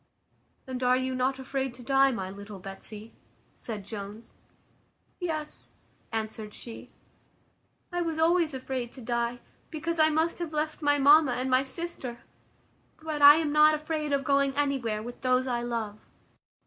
"And are you not afraid to die, my little Betsy?" said Jones. "Yes," answered she, "I was always afraid to die; because I must have left my mamma, and my sister; but I am not afraid of going anywhere with those I love."